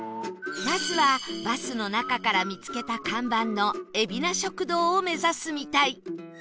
まずはバスの中から見つけた看板のえびな食堂を目指すみたい